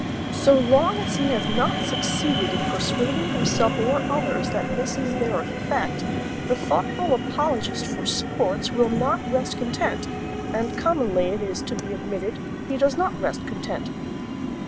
So long as he has not succeeded in persuading himself or others that this is their effect the thoughtful apologist for sports will not rest content, and commonly, it is to be admitted, he does not rest content.